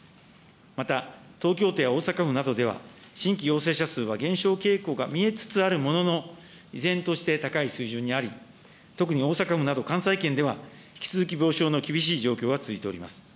また東京都や大阪府などでは、新規陽性者数は減少傾向が見えつつあるものの、依然として高い水準にあり、特に大阪府など関西圏では、引き続き病床の厳しい状況が続いております。